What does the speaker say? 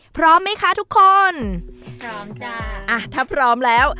พร้อมไหมคะทุกคนพร้อมจ้าอ่ะถ้าพร้อมแล้ว